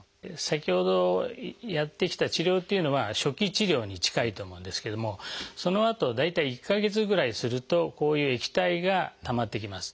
先ほどやってきた治療っていうのは初期治療に近いと思うんですけれどもそのあと大体１か月ぐらいするとこういう液体がたまってきます。